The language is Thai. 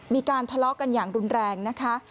มีการทะเลาะกันอย่างรุนแรงนะคะ